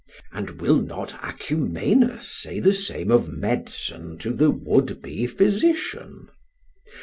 and will not Acumenus say the same of medicine to the would be physician?